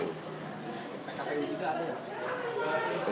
kpu tidak ada